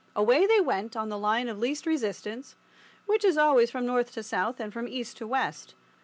Away they went on the line of least resistance, which is always from north to south and from east to west.